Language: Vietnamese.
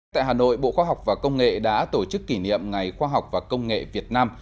tại hà nội bộ khoa học và công nghệ đã tổ chức kỷ niệm ngày khoa học và công nghệ việt nam